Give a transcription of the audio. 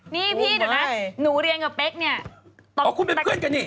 นี่พี่เดี๋ยวนะหนูเรียนกับเป๊กเนี่ยต่อคุณเป็นเพื่อนกันนี่